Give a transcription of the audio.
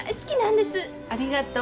ありがとう。